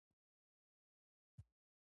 رومي وایي د مینې شرحه کولو هڅه مې وکړه.